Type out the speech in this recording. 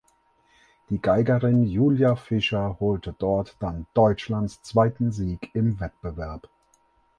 Die Geigerin Julia Fischer holte dort dann Deutschlands zweiten Sieg im Wettbewerb.